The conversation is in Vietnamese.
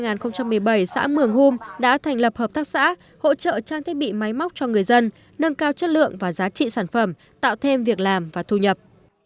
năm hai nghìn một mươi bảy xã mường homes đã thành lập hợp tác xã hỗ trợ trang thiết bị máy móc cho người dân nâng cao chất lượng và giá trị sản phẩm tạo thêm việc làm và thu nhập